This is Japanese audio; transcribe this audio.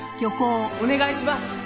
お願いします。